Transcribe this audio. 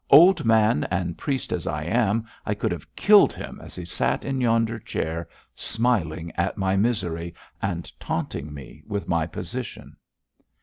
'Old man and priest as I am, I could have killed him as he sat in yonder chair, smiling at my misery, and taunting me with my position.'